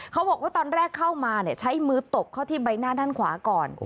เขาบอกว่าตอนแรกเข้ามาใช้มือตบเข้าที่ใบหน้าด้านขวาก่อน